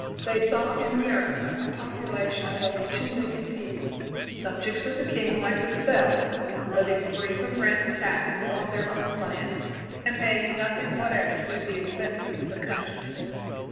They saw in America a population of over two million people, subjects of the king, like themselves, living free from rent and taxes on their own land and paying nothing whatever to the expenses of the country.